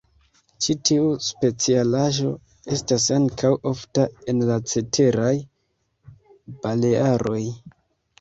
Ĉi tiu specialaĵo estas ankaŭ ofta en la ceteraj Balearoj.